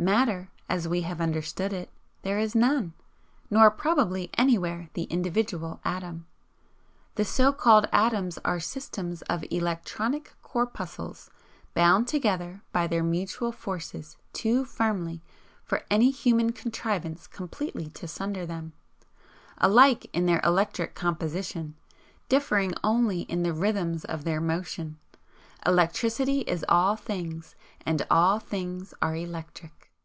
Matter, as we have understood it, there is none, nor probably anywhere the individual atom. The so called atoms are systems of ELECTRONIC corpuscles, bound together by their mutual forces too firmly for any human contrivance completely to sunder them, alike in their electric composition, differing only in the rhythms of their motion. ELECTRICITY is all things, and all things are ELECTRIC."